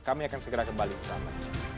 kami akan segera kembali bersama